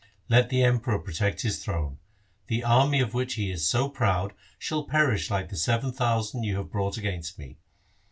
Let the Emperor protect his throne. The army of which he is so proud shall perish like the seven thousand you have brought against me.